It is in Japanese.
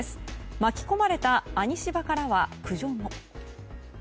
巻き込まれた兄しばからは苦情も。